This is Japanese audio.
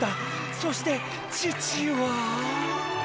そして父は。